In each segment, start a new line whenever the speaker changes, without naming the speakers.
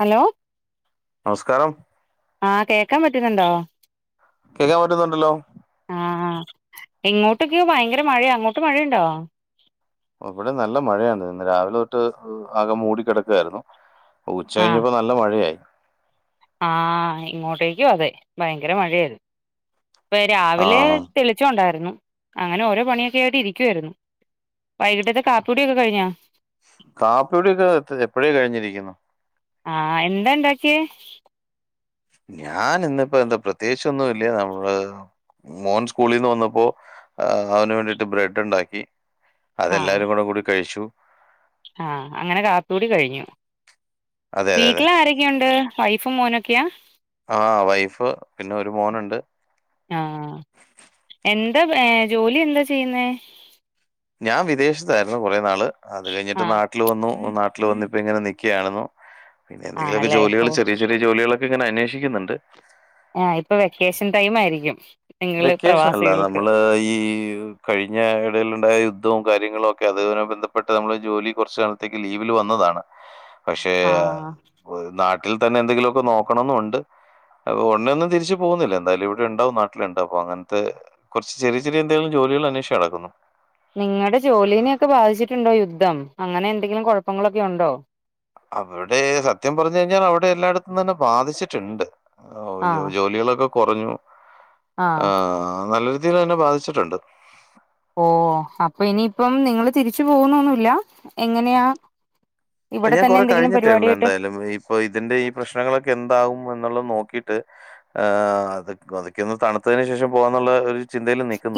Hello
നമസ്കാരം
ആ കേക്കാം പറ്റുന്നുണ്ടോ
കേക്കാൻ പറ്റുന്നുണ്ടല്ലോ
ആ ഇങ്ങോട്ടൊക്കെയോ ഭയങ്കര മഴയ അങ്ങോട്ട് മഴയുണ്ടോ
ഇവടെ നല്ല മഴയാന്ന് രാവിലെ തൊട്ട് ആകെ മൂടിക്കിടക്കായിരുന്നു ഉച്ച കഴിഞ്ഞപ്പോ ന നല്ല മഴയായി
ആ ഇങ്ങോട്ടേക്കു അതെ ഭയങ്കര മഴയായിരുന്നു ഇപ്പ
ആ
രാവിലെ തെളിച്ച ഒണ്ടായിരുന്നു അങ്ങനെ ഓരോ പണിയൊക്കെ ആയിട്ട് ഇരിക്കുവായിരുന്നു വൈകിട്ടത്തെ കാപ്പികുടിയൊക്കെ കഴിഞ്ഞാ
കാപ്പി കുടി ഒക്കെ എപ്പഴേ കഴിഞ്ഞിരിക്കുന്നു
ആ എന്താ ഇണ്ടാക്കിയേ
ഞാന് ഇന്നിപ്പോ എന്താ പ്രത്യേചൊന്നുല്ല നമ്മള് മോൻ സ്കൂളിന്ന് വന്നപ്പോ അവന് വേണ്ടിട്ട് ബ്രെഡ് ഇണ്ടാക്കി അതെല്ലാരും കൂടെ കൂടി കഴിച്ചു
ആ അങ്ങനെ കാപ്പി കുടി കഴിഞ്ഞു
അതെ അതെ അതെ
വീട്ടിലാരെ ക്കെണ്ട് വൈഫും മോനൊക്കെയാ
ആ വൈഫ് പിന്നെ ഒരു മോന്ണ്ട്
ആഹ് എന്താ ഏ ജോലി എന്താ ചെയ്യുന്നേ
ഞാൻ വിദേഷ്ത്തായിരുന്നു കുറേ നാള് അത് കഴിഞ്ഞിട്ട്
ആഹ്
നാട്ടില് വന്നു നാട്ടില് വന്നിപ്പ ഇങ്ങനെ നിക്കയാണെന്ന് പിന്നെ എന്തെങ്കിലോക്കെ
ആണല്ലേ
ജോലികള്
ഓഹ്
ചെറിയ ചെറിയ ജോലികളൊക്കെ ഇങ്ങനെ അന്വേഷിക്കുന്നുണ്ട്
ആ ഇപ്പൊ വെക്കേഷൻ ടൈമ് ആയിരിക്കും നിങ്ങള്
വെക്കേഷന് അല്ല
പ്രവാസികൾക്ക്
നമ്മള് ഈ കഴിഞ്ഞ ഇടെല്ണ്ടായ യുദ്ധവും കാര്യങ്ങളും ഒക്കെ അതുമായി ബന്ധപ്പെട്ട നമ്മളെ ജോലി കൊർച്ച് കാലത്തേക്ക് ലീവില് വന്നതാണ് പക്ഷേ
ആഹ്
നാട്ടിൽ തന്നെ എന്തെങ്കിലോക്കെ നോക്കണന്നുണ്ട് ഒട്ണെ ഒന്നും തിരിച് പോവുന്നില്ല എന്തായാല് ഇവിടെ ഇണ്ടാവും നാ ട്ട്ല്ണ്ട് അപ്പോ അങ്ങൻത്തെ കൊർച്ച്‌ ചെറിയ ചെറിയ എന്തെലും ജോലികൾ അന്വേഷിച് നടക്കുന്നു
നിങ്ങടെ ജോലീനൊക്കെ ബാധിച്ചിട്ടുണ്ടോ യുദ്ധം അങ്ങനെ എന്തെങ്കിലും കൊഴപ്പങ്ങളൊക്കെ ഉണ്ടോ
അവ്ടെ സത്യം പർഞ്ഞു കഴിഞ്ഞാ അവ്ടെ എല്ലായിടത്തും തന്നെ ബാധിച്ചിട്ട്ണ്ട് ഓ
ആഹ്
ജോലികളൊക്കെ കൊറഞ്ഞു ആ
ആഹ്
നല്ല രീതിയിലന്നെ ബാധി ച്ചിട്ടുണ്ട്
ഓ അപ്പ ഇനിയിപ്പം നിങ്ങള് തിരിച്ചു പോവുന്നൊന്നുല്ല എങ്ങനെയാ ഇവിടെ
ഞാൻ
തന്നെ
കൊറെ
എന്തെങ്കിലും
കഴിട്ടേള്ളൂ
പരിപാടിയായിട്ട്
എന്തായാലും ഇപ്പൊ ഇതിന്റെ ഈ പ്രശ്നങ്ങളൊക്കെ എന്താകും എന്നുള്ള നോക്കിട്ട് ഏ അത് അതൊക്കെന്ന് തണുത്തെന് ശേഷം പോവാന്നുള്ള ഒര്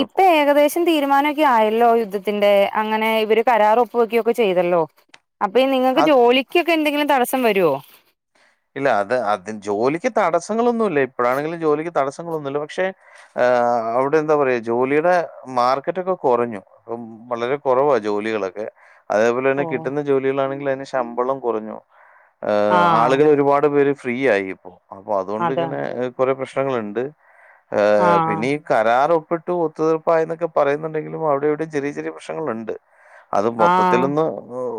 ഇപ്പ ഏകദേശ തീരുമാനക്കെ ആയല്ലോ യുദ്ധത്തിന്റെ അങ്ങനെ ഇവര് കരാറ് ഒപ്പ് വെക്കെയൊക്കെ ചെയ്തല്ലോ അപ്പ നിങ്ങക്ക്
അത്
ജോലിക്കൊക്കെ എന്തെങ്കിലും തടസ്സം വരോ
ഇല്ല അത് അതി ജോലിക്ക് തടസ്സങ്ങളൊന്നുല്ല ഇപ്പഴാണെങ്കിലും ജോലിക്ക് തടസ്സങ്ങളൊന്നുല്ല പക്ഷെ. ഏ അവ്ടെ എന്താ പറയാ ജോലിയുടെ മാർക്കറ്റ് ഒക്കെ കൊറഞ്ഞു അപ്പം. വളരെ കുറവാ ജോലികളൊക്കെ. അതേപോലെ
ഓ
ന്നെ കിട്ടുന്ന ജോലികളാണെങ്കില് അയിന് ശമ്പളം കൊറഞ്ഞു ആള്
ആഹ്
ഒരുപാട് പേര് ഫ്രീ ആയി ഇപ്പോ അപ്പൊ
അതാണ്
അതുകൊണ്ടിങ്ങനെ കൊറെ പ്രശ്നങ്ങള്ണ്ട്. ഏ
ആഹ്
പിന്നീ കരാറ് ഒപ്പിട്ട് ഒത്തുതീർപ്പായി എന്നൊക്കെ പറയുന്നുണ്ടെങ്കിലും അവിടെവിടെ ചെറിയ ചെറിയ പ്രശ്നങ്ങളുണ്ട്. അത്
ആഹ്
മൊത്തത്തിലൊന്ന്.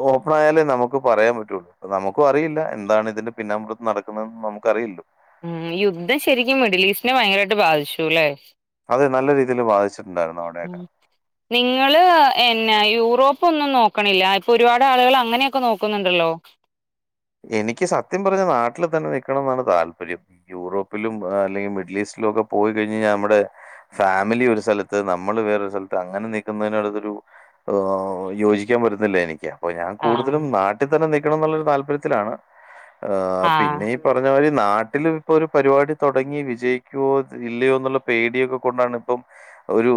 ഒ പ്പണായാലേ നമുക്ക് പറയാൻ പറ്റുള്ളൂ നമുക്കും അറിയില്ല എന്താണ് ഇതിന്റെ പിന്നാമ്പുറത്ത് നടക്കുന്നത് നമുക്കറിയില്ലോ?
ഉ യുദ്ധം ശരിക്കും മിഡില് ഈസ്റ്റിനെ ഭയങ്കരായിട്ട് ബാധിച്ചു ലെ
അതെ നല്ല രീതിയില് ബാധിച്ചിട്ടുണ്ടായിരുന്നു
ഉം
അവിടെയൊക്കെ.
നിങ്ങള് എന്ന യൂറോപ്പ് ഒന്നും നോക്ക്‌ണില്ല ഇപ്പൊ ഒരുപാട് ആളുകള് അങ്ങനെയൊക്കെ നോക്കുന്നുണ്ടല്ലോ
എനിക്ക് സത്യം പറഞ്ഞ നാട്ടിൽ തന്നെ നിക്കണം ന്നാണ് താല്പര്യം. യൂറോപ്പിലും അല്ലെങ്കിൽ മിഡിൽ ഈസ്റ്റിലും ഒക്കെ പോയി കഴിഞ്ഞാൽ ഞമ്മുടെ. ഫാമിലി ഒരു സ്ഥലത്ത് നമ്മള് വേറൊരു സ്ഥലത്ത് അങ്ങനെ നൽക്കുന്നതിനോടൊരു ഏഹ് യോജിക്കാൻ പറ്റുന്നില്ല എനിക്ക്. ഓഹ് ഞാൻ
ആഹ്
കൂടുതലും നാട്ടിൽ തന്നെ നിക്കണം ന്നുള്ള ഒരു താല്പര്യത്തിലാണ് ഏഹ്
ആഹ്
പിന്നെയും പറഞ്ഞ പോലെ നാട്ടില് ഇപ്പൊ ഒരു പരിപാടി തൊടങ്ങി വിജയിക്കുവോ ഇല്ലയോ ന്നുള്ള പേടിയൊക്കെ കൊണ്ടാണ് ഇപ്പം ഒരു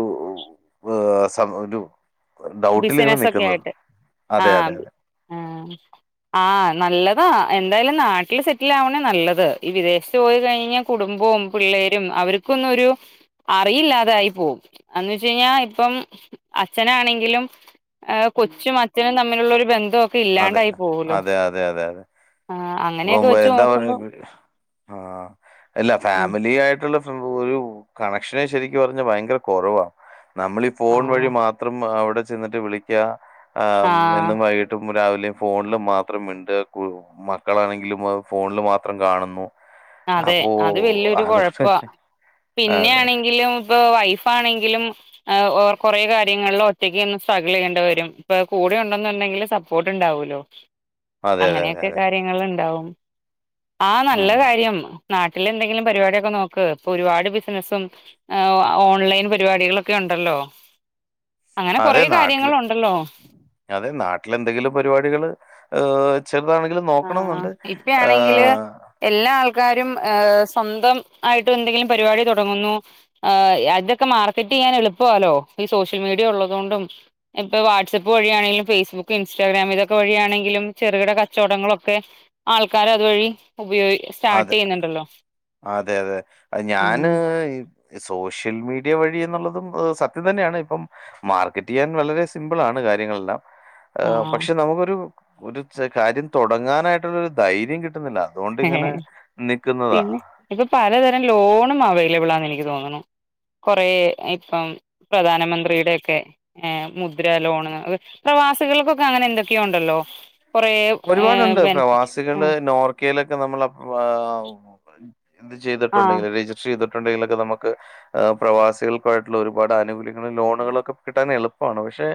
ഏഹ് സ ഒരു ഡൗട്ടിലിങ്ങനെ
ബിസിനസ് ഒക്കെ
നിക്കുന്നത്
ആയിട്ട്
അതെ
ആഹ്
അതെ
ആഹ് ആഹ് നല്ലതാ എന്തായാലും നാട്ടില് സെറ്റിൽ ആവണേ നല്ലത് ഈ വിദേശത്ത് പോയി കഴിഞ്ഞ കുടുംബവും പിള്ളേരും അവർക്കൊന്നൊരു. അറിയില്ലാതായി പോവും എന്ന്ട്ട് ഞാൻ ഇപ്പം അച്ഛനാണെങ്കിലും. ആഹ് കൊച്ചും അച്ഛനും തമ്മിലുള്ള ഒരു ബന്ധ
അതെ
ഇല്ലാണ്ടായി പോവുലോ
അതെ അതെ അതെ അതെ
ആഹ് അങ്ങനെയൊക്കെ വെച്ച് നോക്കുമ്പോ.
ആഹ് അല്ല
ഉം
ഫാമിലി ആയിട്ടുള്ള ഒരു കണക്ഷനെ ശരിക്ക് പറഞ്ഞാ ഭയങ്കര കൊറവാ നമ്മളീ ഈ ഫോൺ വഴി
ആഹ്
മാ ത്രം അവിടെ ചെന്നിട്ട് വിളിക്ക ഏ
ആഹ്
എന്നും വൈകി മറ്റും രാവിലെയും ഫോണിൽ മാത്രം മിണ്ട മക്കളാണെങ്കിലും ഫോണിൽ മാത്രം കാണുന്നു.
അതെ
അപ്പോ
അത് വല്യൊരു കൊഴപ്പാ
അതുകൊണ്ട്
പിന്നെ
അതെ.
ആണെങ്കിലും. ഇപ്പൊ വൈഫ് ആണെങ്കിലും. ഏ ഓർ കൊറേ കാര്യങ്ങളിൽ ഒറ്റയ്ക്ക് നിന്ന് സ്ട്രഗിൾ ചെയ്യേണ്ടി വരും ഇപ്പ കൂടെ ഉണ്ടെന്നുണ്ടെങ്കിൽ സ പ്പോട്ട് ഇണ്ടാവൂല്ലോ?
അതെ, അതെ, അതെ,
അങ്ങനെയൊക്കെ
അതെ.
കാര്യങ്ങള്ണ്ടാവും ആ നല്ല കാര്യം. ഉം നാട്ടിലെന്തെങ്കിലും പരിപാടിയൊക്കെ നോക്ക് ഇപ്പൊ ഒരുപാട് ബിസിനസ്സും. ഏ ആ ഓൺലൈൻ പരിപാടികളൊക്കെ ഉണ്ടല്ലോ? അങ്ങനെ
അതെ
കൊറേ
നാട്ടില്
കാര്യങ്ങളുണ്ടല്ലോ
അതെ നാട്ടില് എന്തെങ്കിലും പരിപാടികള് ഏഹ് ചെറുതാണെങ്കിലും
ആഹ്
നോക്കണംന്നുണ്ട്
ഇപ്പയാണെങ്കില്
ഏഹ്
എല്ലാ ആൾക്കാരും ഏഹ് സ്വന്തം ആയിട്ട് എന്തെങ്കിലും പരിപാടി തുടങ്ങുന്നു. ഏഹ് അതൊക്കെ മാർക്കറ്റ് ചെയ്യാൻ എളുപ്പാല്ലോ ഇപ്പ ഈ സോഷ്യൽ മീഡിയ ഉള്ളതുകൊണ്ടും ഇപ്പ വാട്സ്ആപ്പ് വഴിയാണെങ്കിലും ഫേസ്ബുക്ക് ഇൻസ്റ്റഗ്രാം ഇതൊക്കെ വഴിയാണെങ്കിലും ചെറുകിട ക ച്ചോടങ്ങളൊക്കെ ആൾക്കാർ അതുവഴി ഉപയോഗി
ആഹ്
സ്റ്റാർട്ട്
അതെ
ചെയ്യുന്നുണ്ടല്ലോ
അതെ അതെ അ ഞാന്
ഉം
ഇ സോഷ്യൽ മീഡിയ വഴി എന്നുള്ളതും സത്യം തന്നെയാണ് ഇപ്പം. മാർക്കറ്റ് ചെയ്യാൻ വളരെ സിമ്പിൾ ആണ് കാര്യങ്ങളെല്ലാം.
ആഹ്
പക്ഷെ നമുക്കൊരു ഒരു കാര്യം തുടങ്ങാനായിട്ടുള്ള ഒരു ധൈര്യം കിട്ടുന്നില്ല അതുകൊണ്ട്
ഏഹ് പിന്നെ ഇപ്പൊ പലതരം ലോണും അവൈലബിളാന്നെ എനിക്ക് തോന്ന്ണു കൊറേ ഇപ്പം പ്രധാനമന്ത്രിടേയെക്കെ മുദ്ര ലോണ് അത് പ്രവാസികൾക്കൊക്കെ അങ്ങനെ എന്തൊക്കെയോ ഉണ്ടല്ലോ കൊറേ ഏഹ് ബെനഫിറ്റ് ആ
ക്കെലൊക്ക നമ്മള്
ആഹ്
ചെയ്തിട്ടുണ്ടെങ്കില് രജിസ്റ്റർ ചെയ്തിട്ടുണ്ടെങ്കിലൊക്ക നമുക്ക് ആ പ്രവാസികൾക്കായിട്ടുള്ള ഒരുപാട് ആനുകൂല്യങ്ങൾ ലോണുകളൊക്കെ കിട്ടാൻ എളുപ്പാണ് പക്ഷെ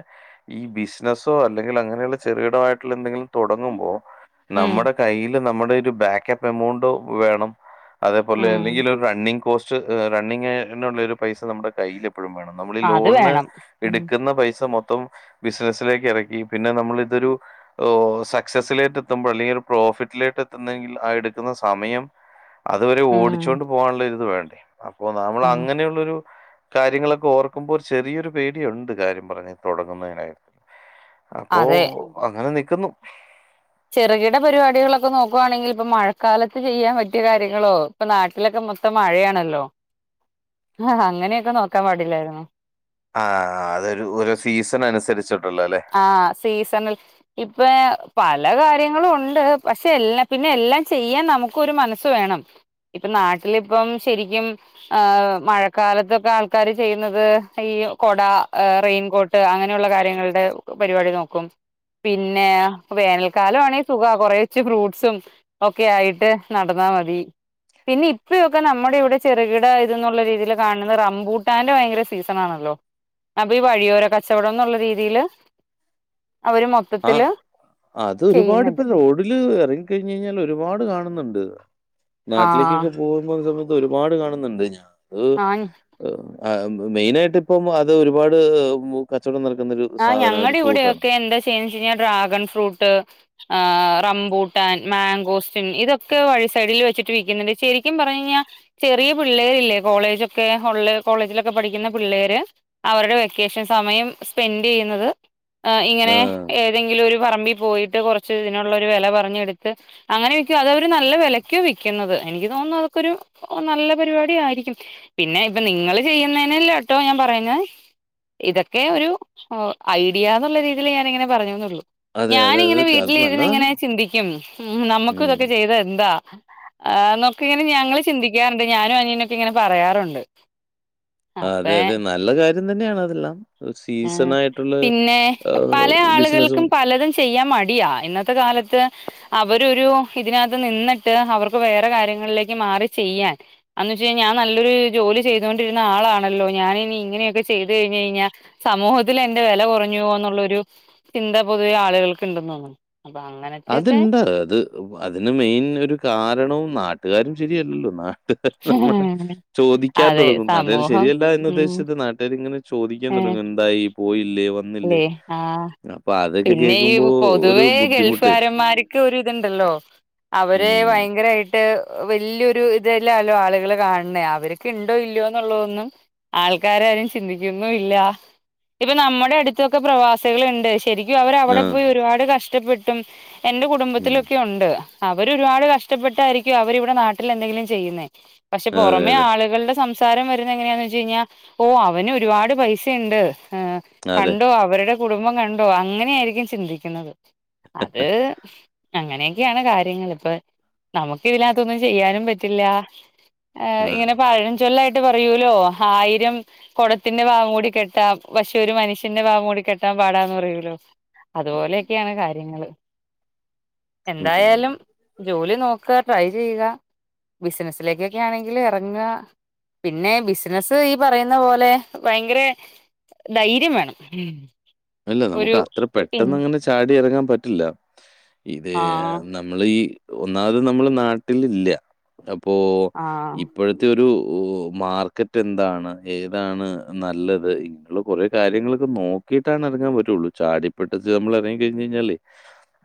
ഈ ബിസിനസ്സോ അല്ലെങ്കിൽ അങ്ങനെ ചെറികിടവായിട്ട്ള്ള എന്തെങ്കിലും തൊടങ്ങുമ്പൊ
ഉം
നമ്മടെ കയ്യിൽ നമ്മടെ ഒരു ബേക്കപ്പ് എമൗണ്ട് വേണം അതേ പോലെ
ഉം
അല്ലെങ്കിൽ റണ്ണിംഗ് കോസ്റ്റ് റണ്ണിങ്ങിനുള്ളൊരു പൈസ നമ്മുടെ കയ്യിലും നമ്മൾ
അത്
ലോൺ
വേണം ഉം
എടുക്കുന്ന പൈസ മൊത്തം ബിസിനസിലേക്ക് എറക്കി പിന്നെ നമ്മള് ഇതൊരു ഓഹ് സക്സസ്സിലേട്ട് എത്തുമ്പൊ അല്ലെങ്കിൽ ഒരു പ്രോഫിറ്റിലേട്ട് എത്തുന്നെങ്കിൽ ആഹ് എടുക്ക്ന്ന സമയം അത് അവരെ
ഉം
ഓടിച്ചുകൊണ്ട് പോകാൻ ഒള്ളരിത് വേണ്ടേ അപ്പോ നാമ്മൾ
ആഹ്
അങ്ങനെയുള്ളൊരു കാര്യങ്ങളൊക്കെ ഓർക്കുമ്പോ ഒരു ചെറിയൊരു പേടിയുണ്ട് കാര്യ പറഞ്ഞ് തൊടങ്ങുന്നേനായിട്ട്. അപ്പോ
അതെ
അങ്ങനെ നിക്ക്‌ന്നു
ചെറ്കിട പരിപാടികളൊക്കെ നോക്കുവാണെങ്കി ഇപ്പ മഴക്കാലത്ത് ചെയ്യാൻ പറ്റിയ കാര്യങ്ങളോ ഇപ്പ നാട്ടിലൊക്കെ മൊത്തം മഴേണല്ലോ ഹ ഹ അങ്ങനെയൊക്കെ നോക്കാൻ പാടില്ലേയ്ര്ന്നൊ
ആ അതൊരു ഒരു സീസൺ അനുസരിച്ചിട്ടുള്ളല്ലേ
ആ സീസണിൽ ഇപ്പ പല നല്ല കാര്യങ്ങളും ഉണ്ട് പക്ഷെ എല്ലാ പിന്നെ എല്ലാം ചെയ്യാൻ നമുക്ക് ഒരു മനസ്സ് വേണം ഇപ്പ നാട്ടിലിപ്പം ശെരിക്കും ഹ മഴക്കാലത്തൊക്കെ ആൾക്കാര് ചെയ്യ്ന്നത് ഈ കൊട റെെയിൻകോ ട്ട് അങ്ങനെയുള്ള കാര്യങ്ങളുടെ പരിപാടി നോക്കും പിന്നെ വേനൽ ക്കാലമാണെങ്കി സുഖ കൊറേച്ച് ഫ്രൂട്ട്സും ഒക്കെ ആയിട്ട് നടന്നാ മതി പിന്നെ ഇപ്പഴൊക്കെ നമ്മുടെ ഇവിടെ ചെറുകിട ഇതെന്നുള്ള രീതിൽ കാണ്ന്ന റമ്പൂട്ടാന്റെ ഭയങ്കര സീസണണല്ലോ അപ്പ ഈ വഴിയോര കച്ചവടന്ന്ള്ള രീതിയില് അവരും മൊ
അതെ. ആഹ്
മൊത്തത്തില്
അത് ഒരുപാട് ഇപ്പൊ
ചെയ്യുന്നുണ്ട്
റോഡില് എറങ്ങി കഴിഞ്ഞ് കഴിഞ്ഞാൽ ഒരുപാട് കാണ്ന്ന്ണ്ട്
ആഹ്
നാട്ടിലേക്കൊക്ക പോകുമ്പൊ സമയത്ത് ഒരുപാട് കാണുന്നുണ്ട് ഞാൻത്
ആഹ്
മെയിന ആയിട്ട് ഇപ്പം അത് ഒരുപാട് കച്ചവടം നടക്കുന്നൊരു
ആ
സാധനാ. ഒരു
ഞങ്ങടെ
ഫ്രൂട്ടാണ്.
ഇവിടെയൊക്കെ എന്താ ചെയ്യ്ന്നെ വെച്ച് കഴിഞ്ഞാ ഡ്രാഗൺ ഫ്രൂട്ട് ആഹ് റംബൂട്ടാൻ മാങ്കോസ്റ്റിൻ ഇതൊക്കെ വഴിസൈഡിൽ വെച്ചിട്ട് വിക്കിന്ന്ണ്ട് ശരിക്കും പറഞ് കഴിഞ്ഞാ ചെറിയ പിള്ളേരില്ലേ കോളേജൊക്കെ ഉള്ള ഓൺലൈൻ കോളേജിലൊക്കെ പഠിക്കുന്ന പിള്ളേര് അവര്ടെ വെക്കേഷൻ സമയം സ്പെൻഡ് ചെയ്യ്ന്നത് ഇങ്ങനെ
ആഹ്.
ഏ എതെങ്കിലും ഒരു പറമ്പി പോയിട്ട് കൊറച്ച് ഇതിനുള്ള ഒരു വെല പറഞ്ഞെടുത്ത് അങ്ങനെ വിക്കും അതവര് നല്ല വെലയ്ക്ക വിക്ക്ന്നത് എനിക്ക് തോന്നുന്നു അതൊക്കൊരു ഓ നല്ല പരിപാടി ആയിരിക്കും പിന്നെ ഇപ്പൊ നിങ്ങള് ചെയ്യുന്നേ നല്ലാട്ടോ ഞാൻ പറയുന്നെ ഇതൊക്കെ ഒരു ഐഡിയന്നുള്ള രീതിയി ഞാനി ഇങ്ങനെ പറഞ്ഞുനൊള്ളു
അതെ, അതെ. അത്
ഞാനിങ്ങനെ
ക അത്
വീട്ടിലിരുന്നി
നല്ലതാണ്.
ഇങ്ങനെ ചിന്തിക്കും ഉം നമ്മുക്കും
ഉം.
ഇതൊക്കെ ചെയ്ത എന്താ ആഹ് അന്നൊക്കെ ഇങ്ങനെ ഞങ്ങള് ചിന്തിക്കാറുണ്ട് ഞാനും അനിയനൊക്കെ ഇങ്ങനെ പറയാറുണ്ട്
ആഹ് അതെ
അപ്പേ
അതെ നല്ല കാര്യം തന്നെയാണ് അതെല്ലാം
ഏഹ്
സീസണായിട്ടുള്ള
പിന്നേ
ആഹ്,
പല
ബിസിനസ്സും
ആള്കൾക്കും പലതും ചെയ്യാൻ മടിയാ ഇന്നത്തെ കാലത്ത് അവരൊരു ഇതിനാത്ത് നിന്നിട്ട് അവർക്ക് വേറെ കാര്യങ്ങളിലേക്ക് മാറി ചെയ്യാൻ അന്ന് വെച്ച് കഴിഞ്ഞാ ഞാൻ നല്ലൊരു ജോലി ചെയ്തൊണ്ടിരുന്ന ആളാണല്ലോ ഞാന് ഇനി ഇങ്ങനെയൊക്കെ ചെയ്ത് കഴിഞ് കഴിഞ്ഞാ സമൂഹത്തിൽ എന്റെ വെല കുറഞ്ഞുപോവു എന്നുള്ളൊരു ചിന്ത പൊതുവേ ആളുകൾക്ക് ഇണ്ടെന്നോന്നു അപ്പ അങ്ങനെ
അത്ഇണ്ടാ അത് അതിന് മെയിൻ ഒരു കാരണവും നാട്ടുകാരും ശരിയല്ലല്ലോ നാ ചോദിക്കാൻ
അതെ
തൊടങ്ങും. നാട്ടുകാർ
സമൂഹം
ശരിയല്ല എന്നന്ന്
ഉം
ഉദ്ദേശിച്ചത് നാട്ടുകാരിങ്ങനെ ചോദിക്കാൻ തുടങ്ങി. എന്തായി. പോയില്ലേ വന്നില്ലേ?"
അല്ലെ ആഹ്
അപ്പൊ അതൊക്കെ
പിന്നെ ഈ
കേൾക്കുമ്പോ ഒരു
പൊതുവേ ഗൾഫ്
ബുദ്ധിമുട്ട്.
കാരന്മാർക്ക് ഒര് ഇത്ണ്ടല്ലോ അവര്
ഉം.
ഭയങ്കരായി ട്ട് വല്യൊരു ഇതല്ലല്ലോ ആളുകൾ കാൺണേ അവർക്ക് ഇണ്ടോ ഇല്ലയോ എന്നുള്ളതൊന്നും ആൾക്കാരാരും ചിന്തിക്കുന്നു ഇല്ല ഇപ്പൊ നമ്മുടെ അട് ത്തൊക്കെ പ്രവാസികൾ ഇണ്ട് ശരിക്കും അവര് അവിടെ
ആഹ്.
പോയി ഒരുപാട് കഷ്ടപ്പെട്ടും എൻ്റെ കു
ഉം.
ടുംബത്തിലൊക്കെ ഉണ്ട് അവര് ഒരുപാട് കഷ്ടപ്പെട്ടായിരിക്കും അവരി ഇവിടെ നാട്ടിൽ എന്തെങ്കിലും ചെയ്യുന്നേ പക്ഷെ
അതെ,
പൊറമെ
അതെ.
ആളുകളുടെ സം സാരം വരുന്ന എങ്ങനെയാന്ന് വച്ച് കഴിഞ്ഞാൽ ഓഹ് അവന് ഒരുപാട് പൈസയ്ണ്ട്.
അതെ.
കണ്ടോ അവരുടെ കുടുംബം കണ്ടോ അങ്ങനെയായിരിക്കും ചിന്തിക്കുന്നത്. അത് അങ്ങനെയൊക്കെയാണ് കാര്യങ്ങൾള് ഇപ്പൊ നമുക്ക് ഇതിനകത്തൊന്നും ചെയ്യാനും പറ്റില്ല. ആഹ് ഇങ്ങനെ പാഴം ചൊല്ലായിട്ട് പറയൂലോ ആയിരം കൊടത്തിന്റെ ഭാഗം കൂടി കെട്ട പക്ഷെ ഒരു മനുഷ്യ ന്റെ വാ മൂടി കെട്ടാൻ പാടാന്ന് പറയൂല്ലോ
ഉം.
അതുപോലെയൊക്കെയാണ് കാര്യങ്ങള്.
ഉം.
എന്തായാലും ജോലി നോക്കുക ട്രൈ ചെയ്യുക ബിസിനസ്സിലേക്കൊക്കേയാണെങ്കില് എറങ്ങ പിന്നെ ബിസിനസ്സ് ഈ പറയുന്ന പോലെ ഭയങ്കര ധൈര്യം വേണം ഉം
അല്ല നമുക്ക് അത്ര പെട്ടെന്ന് ങ്ങനെ ചാടി എറങ്ങാൻ പറ്റില്ല ഇത്
ആഹ്
[unintelligible] നമ്മള് ഈ ഒന്നാമത് നമ്മള് നാട്ടിൽ ഇല്ല അപ്പോ
ആഹ്
ഇപ്പോഴത്തെ ൻ്റെയൊരു മാർക്കറ്റ് എന്താണ് ഏതാണ് നല്ലത് മ്മള് കുറേ കാര്യങ്ങളൊക്ക നോക്കിട്ട് ട്ടാനേറങ്ങാൻ പറ്റുവൊള്ളു ചാടിപ്പെടച്ച് നമ്മൾ എറങ്ങി കഴിഞ്ഞ് കഴിഞ്ഞാലെ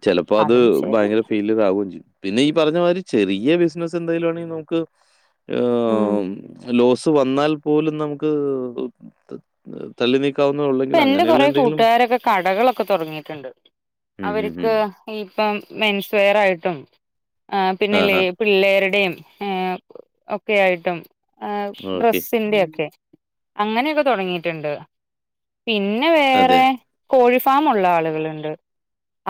ചെലപ്പോ അത്
അതും ശരി
ഭയങ്കര [unintelligible] ചെയ്യും പിന്നെ ഈ പറഞ്ഞ മാതിരി ചെറിയ ബിസിനസ് എന്തായലും ആണെങ്കി നമുക്ക്
ഉം
ആം ലോസ് വന്നാൽ പോലും നമുക്ക് തള്ളി
ഇപ്പൊ
നീക്കാവുന്നൊള്ളെങ്കിൽ
എന്റെ
അങ്ങനെയുള്ള
കൊറെ
എന്ത്
കൂട്ടുകാരൊക്കെ കടകളൊക്കെ തൊടങ്ങിട്ടുണ്ട്
ഹും, ഹും, ഹും.
അവര്ക്ക് ഇപ്പം മെൻസ്വെയർ ആയിട്ടും ആഹ് പിന്നെ ലെ
ആഹാ!
പിള്ളേരുടേം ഒക്കെയായിട്ടും ആഹ്
ഓക്കെ.
ഡ്രെസ്സിന്റെയെക്കെ അങ്ങനെയൊക്കെ തൊടങ്ങിട്ടുണ്ട് പിന്നെ
അതെ.
വേറെ കോഴിഫാം ഉള്ള ആളുകളുണ്ട്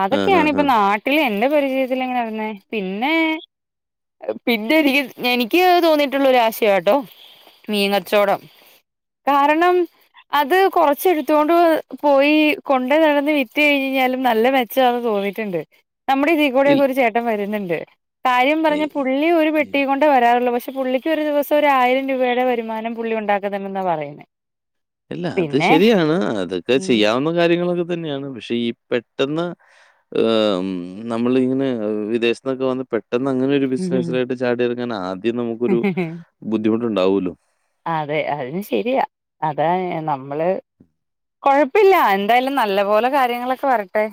അതൊക്കെയാണ്
ആഹാഹാ!
ഇപ്പൊ നാട്ട [unintelligible] എന്റെ പരിചയത്തിൽങ്ങനെ നടന്നേ പിന്നെ പിന്നെ എനിക്ക് എനിക്ക് തോന്നിയിട്ടുള്ള ഒരാശയാട്ടോ മീൻകച്ചോടം കാരണം അത് കൊറ ച്ച് എടുത്തോണ്ട് പോയി കൊണ്ട നടന്ന് വിറ്റ് കഴിഞ്ഞ് കഴിഞ്ഞാലും നല്ല മെച്ചമാന്ന് തോന്നിട്ടുണ്ട് നമ്മുടെ
ഇൽ
ഇതികൂടെയൊക്കെ ഒരു ചേട്ടൻവരുന്നുണ്ട് കാര്യം
എ
പറഞ്ഞ പുള്ളി ഒരു
എ
പെട്ടി കൊണ്ട് ണ്ടേ വരാറുള്ളൂ പക്ഷെ പുള്ളിക്ക് ഒരു ദിവസം ഒരു ആയിരം രൂപയുടെ വരുമാനം പുള്ളി ഉണ്ടാക്കുന്നുണ്ടെന്നാ പറയുന്നേ
അല്ല അത് ശരിയാണ് അതൊക്കെ
ഉം
ചെയ്യാവുന്ന കാര്യങ്ങളൊക്കെ തന്നെയാണ് പക്ഷെ ഈ പെട്ടന്ന് [unintelligible] നമ്മള് ഇങ്ങനെ വിദേശത്ത്ന്നൊക്കെ വന്ന് പെ ട്ടന്നങ്ങനെ ഒരു ബിസിനസ്സിലോട്ട് ചാടിയെറങ്ങാൻ ആദ്യം നമുക്കൊരു ബുദ്ധിമുട്ടുണ്ടാവുല്ലോ
അതെ അത് ശരിയാ അതാ നമ്മള് കൊഴപ്പില്ല എന്തായാലും നല്ല പോലെ കാര്യങ്ങളൊക്കെ വരട്ടെ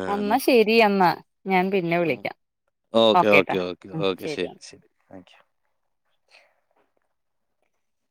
ആ
അന്നാ ശെരിയന്നാ ഞാൻ പിന്നെ വിളിക്കാം
ഓക്കേ ഓക്കെ
ഓക്കേട്ടാ
ഓക്കെ
ഉം
ഓക്കെ ശരി ശരി താങ്ക് യു